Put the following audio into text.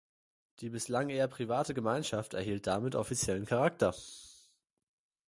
Die bislang eher private Gemeinschaft erhielt damit offiziellen Charakter.